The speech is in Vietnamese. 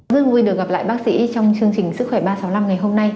rất vui được gặp lại bác sĩ trong chương trình sức khỏe ba trăm sáu mươi năm ngày hôm nay